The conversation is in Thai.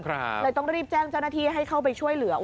เลยต้องรีบแจ้งเจ้าหน้าที่ให้เข้าไปช่วยเหลือ